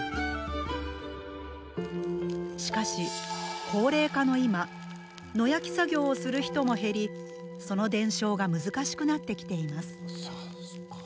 しかし、高齢化の今野焼き作業をする人も減りその伝承が難しくなってきています。